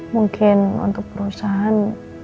mungkin untuk perusahaan